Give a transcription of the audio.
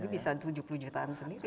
jadi bisa rp tujuh puluh jutaan sendiri